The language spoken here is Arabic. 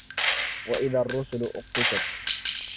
وَإِذَا الرُّسُلُ أُقِّتَتْ